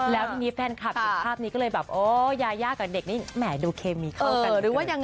แล้วทีนี้แฟนคลับภาพนี้ก็เลยแบบโอ้ยายากับเด็กนี้แหมดูเคมีเข้ากัน